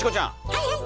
はいはい！